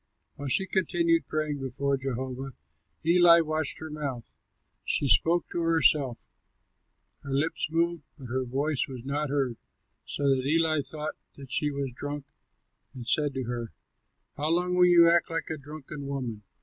While she continued praying before Jehovah, Eli watched her mouth. She spoke to herself; her lips moved, but her voice was not heard, so that Eli thought that she was drunk and said to her, "How long will you act like a drunken woman?